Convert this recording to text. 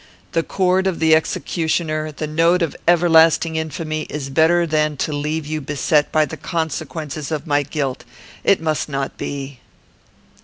The cord of the executioner, the note of everlasting infamy, is better than to leave you beset by the consequences of my guilt. It must not be."